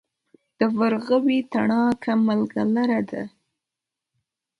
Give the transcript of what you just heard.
د ورغوي تڼاکه ملغلره ده.